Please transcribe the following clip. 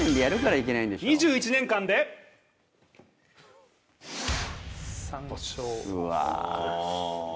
２１年間で、３勝。